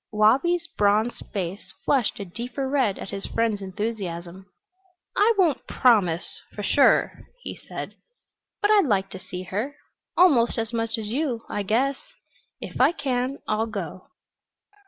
Wabi's bronzed face flushed a deeper red at his friend's enthusiasm. "I won't promise for sure," he said. "But I'd like to see her almost as much as you, I guess. If I can, I'll go."